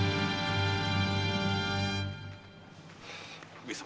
上様。